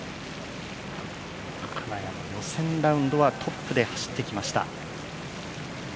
金谷も予選ラウンドはトップで走ってきました。